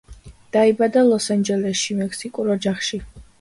დაიბადა ლოს ანჯელესში, მექსიკურ ოჯახში.